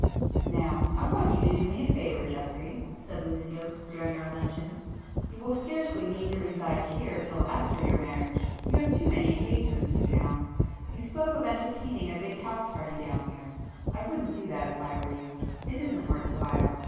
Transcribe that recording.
"Now I want you to do me a favour, Geoffrey,"—said Lucio, during our luncheon—"You will scarcely need to reside here till after your marriage; you have too many engagements in town. You spoke of entertaining a big house party down here,—I wouldn't do that if I were you,—it isn't worth while.